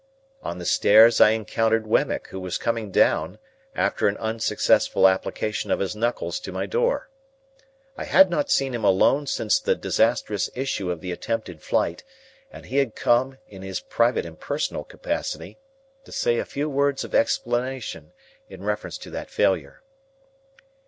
On the stairs I encountered Wemmick, who was coming down, after an unsuccessful application of his knuckles to my door. I had not seen him alone since the disastrous issue of the attempted flight; and he had come, in his private and personal capacity, to say a few words of explanation in reference to that failure.